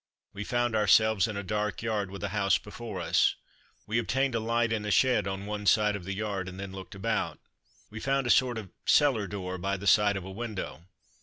We found ourselves in a dark yard, with a house before us. We obtained a light in a shed on one side of the yard, and then looked about. We found a sort of cellar door by the side of a window.